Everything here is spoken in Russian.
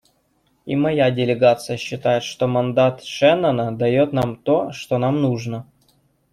И моя делегация считает, что мандат Шеннона дает нам то, что нам нужно.